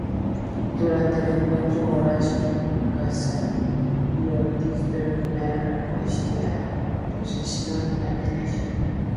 Durante el encuentro Horacio Casarín y Ortiz dominaron la posesión al inicio.